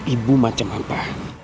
ibu macam apa